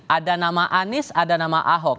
ada nama anies ada nama ahok